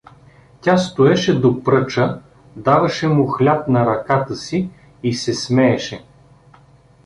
Тя стоеше до пръча, даваше му хляб на ръката си и се смееше.